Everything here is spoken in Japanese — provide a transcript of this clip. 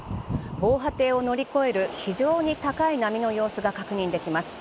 防波堤を乗り越える非常に高い波の様子が確認できます。